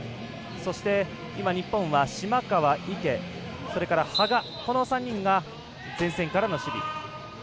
そして今、日本は島川、池、羽賀この３人が前線からの守備。